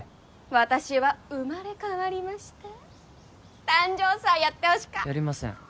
私は生まれ変わりました誕生祭やってほしかやりません